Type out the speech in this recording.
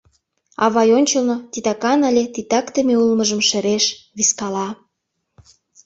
Авай ончылно титакан але титакдыме улмыжым шереш, вискала.